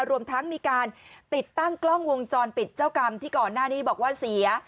รวมทั้งมีการติดตั้งกล้องวงจรปิดเจ้ากรรมที่ก่อนหน้านี้บอกว่าเสีย